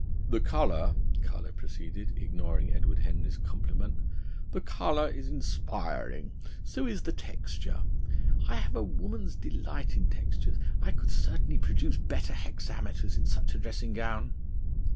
"The colour," Carlo proceeded, ignoring Edward Henry's compliment, "the colour is inspiring. So is the texture. I have a woman's delight in textures. I could certainly produce better hexameters in such a dressing gown."